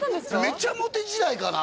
「めちゃモテ」時代かな？